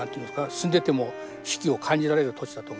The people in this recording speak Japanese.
住んでても四季を感じられる土地だと思いますね。